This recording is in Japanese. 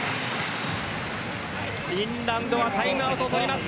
フィンランドはタイムアウトを取ります。